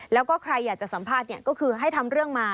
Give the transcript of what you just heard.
แล้วก็ใครอยากจะสัมภาษณ์ก็คือให้ทำเรื่องมา